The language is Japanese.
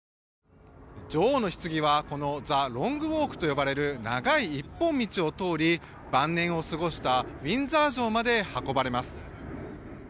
女王のひつぎはこのザ・ロングウォークと呼ばれる長い一本道を通り晩年を過ごしたウィンザー城まで運ばれます。